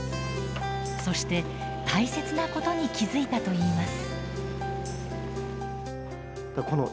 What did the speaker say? そして大切なことに気付いたといいます。